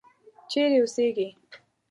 چیرې اوسیږې.